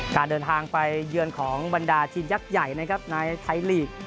การเดินทางไปเยือนของบรรดาทีมยักษ์ใหญ่นะครับในไทยลีก